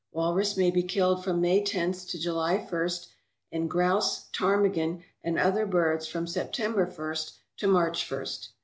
Walrus may be killed from May roth to July ist, and grouse, ptarmigan, and other birds from September ist to March ist.